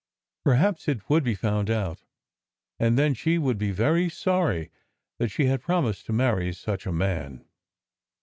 Perhaps it would be found out, and then she would be very sorry that she had promised to marry such a man.